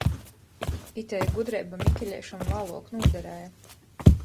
Itei gudreiba Mikeleišam vāluok nūderēja.